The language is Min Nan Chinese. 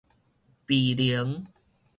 庇能